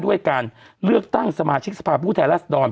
ด้วยการเลือกตั้งสมาชิกสภาพผู้แทนรัศดร